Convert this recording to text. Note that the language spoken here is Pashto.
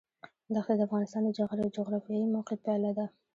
دښتې د افغانستان د جغرافیایي موقیعت پایله ده.